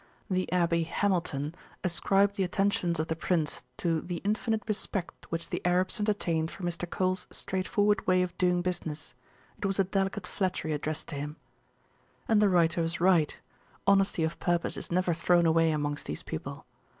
The Abbe Hamilton ascribed the attentions of the Prince to the infinite respect which the Arabs entertain for Mr. Coles straightforward way of doing business, it was a delicate flattery addressed to him. And the writer was right; honesty of purpose is never thrown away amongst these people.